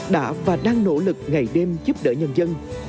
đã và đang nỗ lực ngày đêm giúp đỡ nhân dân